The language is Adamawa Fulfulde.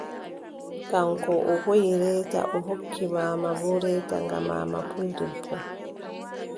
Kaŋko o hooʼi reete, o hokki maama boo reeta ngam maama puldebbo,